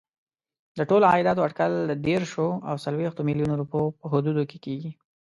د ټولو عایداتو اټکل د دېرشو او څلوېښتو میلیونو روپیو په حدودو کې کېږي.